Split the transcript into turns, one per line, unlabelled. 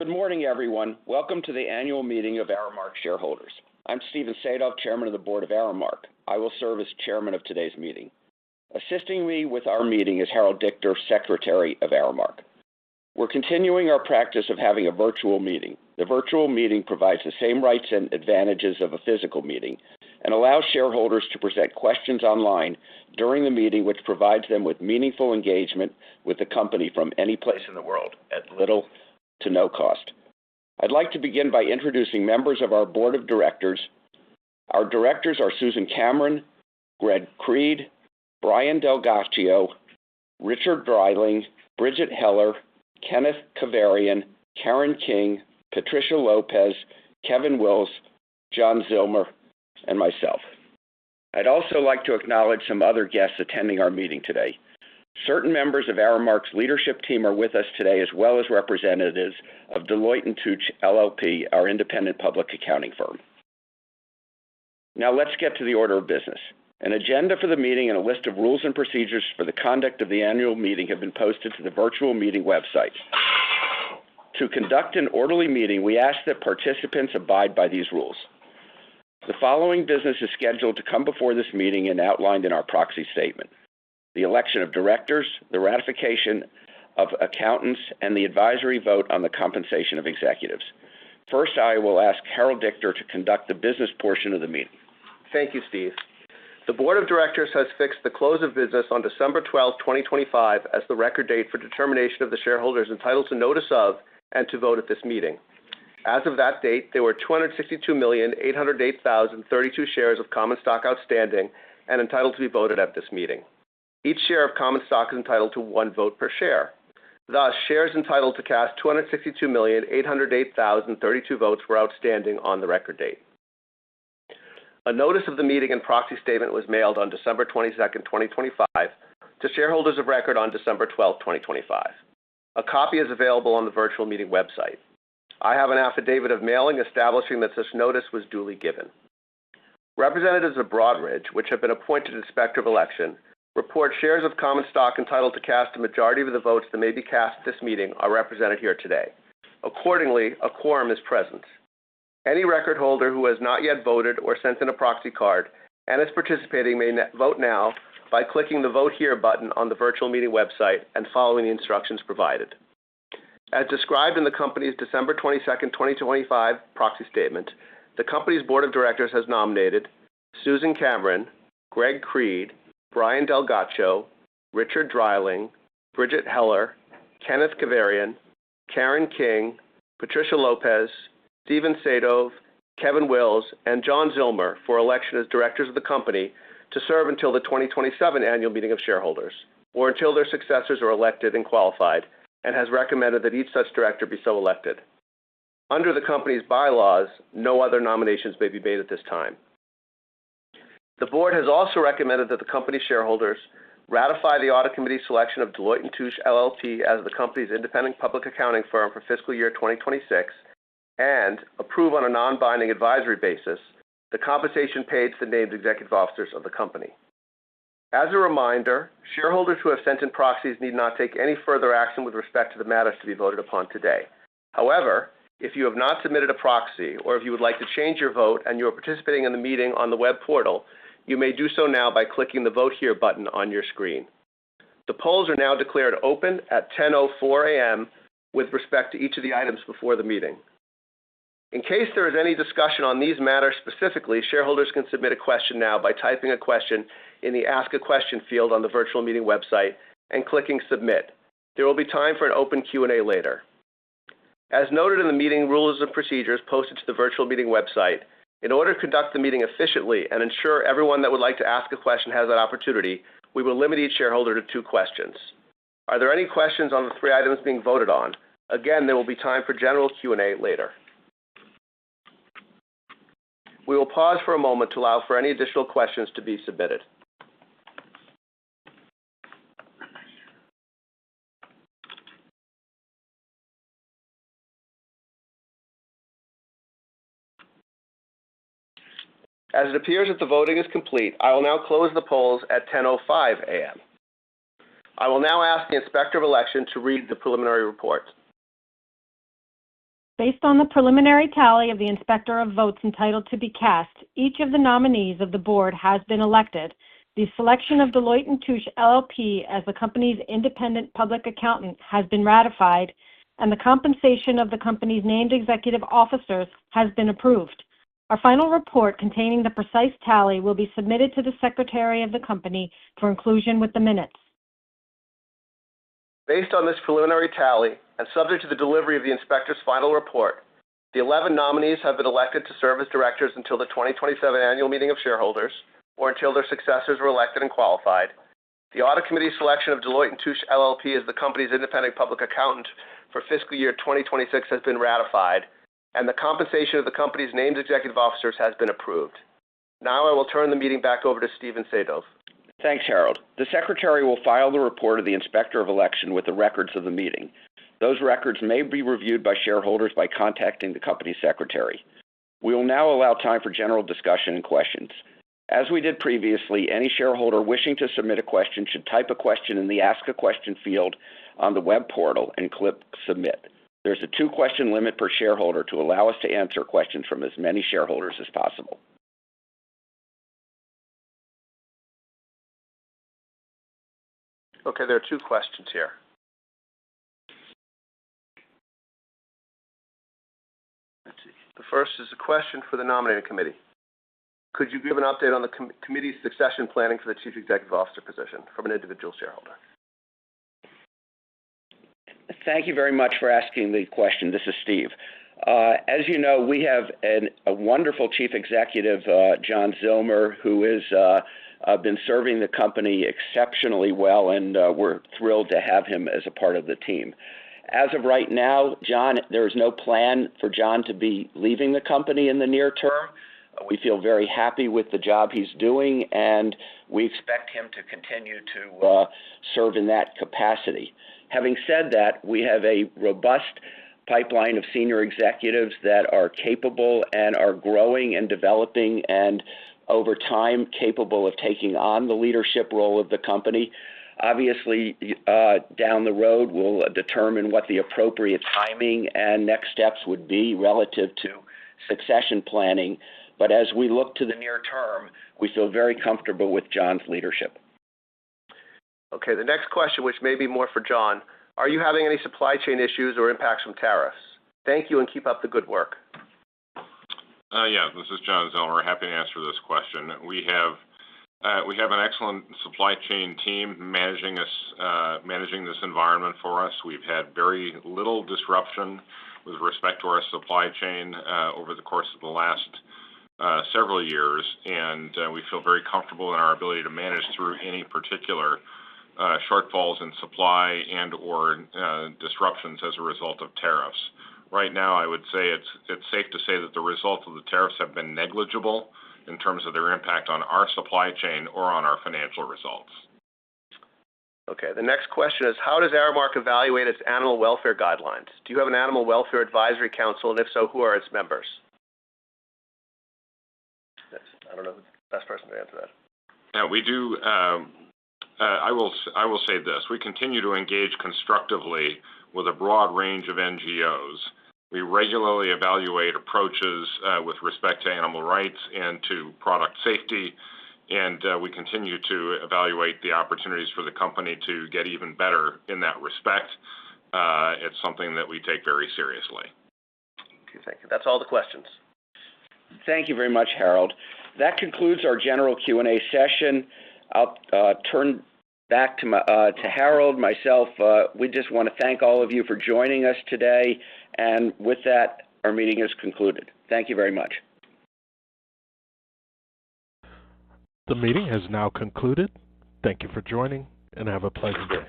Good morning, everyone. Welcome to the annual meeting of Aramark shareholders. I'm Stephen Sadove, Chairman of the Board of Aramark. I will serve as chairman of today's meeting. Assisting me with our meeting is Harold Dichter, Secretary of Aramark. We're continuing our practice of having a virtual meeting. The virtual meeting provides the same rights and advantages of a physical meeting and allows shareholders to present questions online during the meeting, which provides them with meaningful engagement with the company from any place in the world at little to no cost. I'd like to begin by introducing members of our board of directors. Our directors are Susan Cameron, Greg Creed, Brian DelGhiaccio, Richard Dreiling, Bridgette Heller, Kenneth Keverian, Karen King, Patricia Lopez, Kevin Wills, John Zillmer, and myself. I'd also like to acknowledge some other guests attending our meeting today. Certain members of Aramark's leadership team are with us today, as well as representatives of Deloitte & Touche, LLP, our independent public accounting firm. Now, let's get to the order of business. An agenda for the meeting and a list of rules and procedures for the conduct of the annual meeting have been posted to the virtual meeting website. To conduct an orderly meeting, we ask that participants abide by these rules. The following business is scheduled to come before this meeting and outlined in our proxy statement: the election of directors, the ratification of accountants, and the advisory vote on the compensation of executives. First, I will ask Harold Dichter to conduct the business portion of the meeting.
Thank you, Steve. The board of directors has fixed the close of business on December 12, 2025, as the record date for determination of the shareholders entitled to notice of and to vote at this meeting. As of that date, there were 262,808,032 shares of common stock outstanding and entitled to be voted at this meeting. Each share of common stock is entitled to 1 vote per share. Thus, shares entitled to cast 262,808,032 votes were outstanding on the record date. A notice of the meeting and proxy statement was mailed on December 22, 2025, to shareholders of record on December 12, 2025. A copy is available on the virtual meeting website. I have an affidavit of mailing establishing that this notice was duly given. Representatives of Broadridge, which have been appointed Inspector of Election, report shares of common stock entitled to cast a majority of the votes that may be cast at this meeting are represented here today. Accordingly, a quorum is present. Any record holder who has not yet voted or sent in a proxy card and is participating may vote now by clicking the Vote Here button on the virtual meeting website and following the instructions provided. As described in the company's December 22, 2025 proxy statement, the company's board of directors has nominated Susan Cameron, Greg Creed, Brian DelGhiaccio, Richard Dreiling, Bridgette Heller, Kenneth Keverian, Karen King, Patricia Lopez, Stephen Sadove, Kevin Wills, and John Zillmer for election as directors of the company to serve until the 2027 Annual Meeting of Shareholders, or until their successors are elected and qualified, and has recommended that each such director be so elected. Under the company's bylaws, no other nominations may be made at this time. The board has also recommended that the company's shareholders ratify the Audit Committee's selection of Deloitte & Touche, LLP, as the company's independent public accounting firm for fiscal year 2026, and approve on a non-binding advisory basis the compensation paid to the named executive officers of the company. As a reminder, shareholders who have sent in proxies need not take any further action with respect to the matters to be voted upon today. However, if you have not submitted a proxy or if you would like to change your vote and you are participating in the meeting on the web portal, you may do so now by clicking the Vote Here button on your screen. The polls are now declared open at 10:04 A.M. with respect to each of the items before the meeting. In case there is any discussion on these matters, specifically, shareholders can submit a question now by typing a question in the Ask a Question field on the virtual meeting website and clicking Submit. There will be time for an open Q&A later. As noted in the meeting, rules and procedures posted to the virtual meeting website, in order to conduct the meeting efficiently and ensure everyone that would like to ask a question has that opportunity, we will limit each shareholder to two questions. Are there any questions on the three items being voted on? Again, there will be time for general Q&A later. We will pause for a moment to allow for any additional questions to be submitted. As it appears that the voting is complete, I will now close the polls at 10:05 A.M. I will now ask the Inspector of Election to read the preliminary report.
Based on the preliminary tally of the Inspector of votes entitled to be cast, each of the nominees of the Board has been elected, the selection of Deloitte & Touche, LLP, as the company's independent public accountant, has been ratified, and the compensation of the company's named executive officers has been approved. Our final report, containing the precise tally, will be submitted to the Secretary of the company for inclusion with the minutes.
Based on this preliminary tally, and subject to the delivery of the inspector's final report, the 11 nominees have been elected to serve as directors until the 2027 Annual Meeting of Shareholders or until their successors were elected and qualified. The Audit Committee's selection of Deloitte & Touche, LLP, as the company's independent public accountant for fiscal year 2026, has been ratified, and the compensation of the company's named executive officers has been approved. Now, I will turn the meeting back over to Stephen Sadove.
Thanks, Harold. The secretary will file the report of the Inspector of Election with the records of the meeting. Those records may be reviewed by shareholders by contacting the company secretary. We will now allow time for general discussion and questions. As we did previously, any shareholder wishing to submit a question should type a question in the Ask a Question field on the web portal and click Submit. There's a two-question limit per shareholder to allow us to answer questions from as many shareholders as possible.
Okay, there are two questions here. Let's see. The first is a question for the Nominating Committee: Could you give an update on the committee's succession planning for the Chief Executive Officer position? From an individual shareholder.
Thank you very much for asking the question. This is Steve. As you know, we have a wonderful Chief Executive, John Zillmer, who has been serving the company exceptionally well, and we're thrilled to have him as a part of the team. As of right now, John, there is no plan for John to be leaving the company in the near term. We feel very happy with the job he's doing, and we expect him to continue to serve in that capacity. Having said that, we have a robust pipeline of senior executives that are capable and are growing and developing, and over time, capable of taking on the leadership role of the company. Obviously, down the road, we'll determine what the appropriate timing and next steps would be relative to succession planning. But as we look to the near term, we feel very comfortable with John's leadership.
Okay, the next question, which may be more for John: Are you having any supply chain issues or impacts from tariffs? Thank you, and keep up the good work.
Yeah, this is John Zillmer. Happy to answer this question. We have an excellent supply chain team managing this environment for us. We've had very little disruption with respect to our supply chain over the course of the last several years, and we feel very comfortable in our ability to manage through any particular shortfalls in supply and/or disruptions as a result of tariffs. Right now, I would say it's safe to say that the results of the tariffs have been negligible in terms of their impact on our supply chain or on our financial results.
Okay, the next question is: How does Aramark evaluate its animal welfare guidelines? Do you have an animal welfare advisory council, and if so, who are its members? I don't know the best person to answer that.
Yeah, we do, I will say this: We continue to engage constructively with a broad range of NGOs. We regularly evaluate approaches with respect to animal rights and to product safety, and, we continue to evaluate the opportunities for the company to get even better in that respect. It's something that we take very seriously.
Okay, thank you. That's all the questions.
Thank you very much, Harold. That concludes our general Q&A session. I'll turn back to Harold, myself. We just want to thank all of you for joining us today. And with that, our meeting is concluded. Thank you very much.
The meeting has now concluded. Thank you for joining, and have a pleasant day.